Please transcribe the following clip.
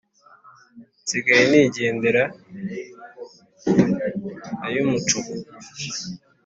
nsigaye nigendera ay’umucuko,